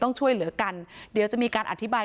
ต้องช่วยเหลือกันเดี๋ยวจะมีการอธิบาย